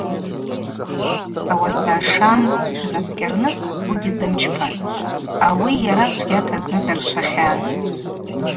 Ауаса Шам днаскӏьарныс гвы гьизымчпатӏ: ауи йара чвгьата зны даршвахьан.